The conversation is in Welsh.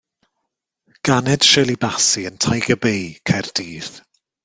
Ganed Shirley Bassey yn Tiger Bay, Caerdydd.